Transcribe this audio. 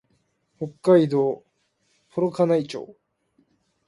北海道幌加内町